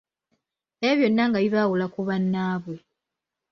Ebyo byonna nga bibaawula ku bannaabwe.